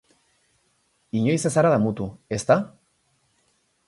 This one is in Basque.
Inoiz ez zara damutu, ezta?